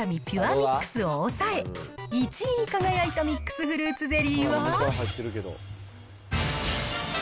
ミックスを抑え、１位に輝いたミックスフルーツゼリーは？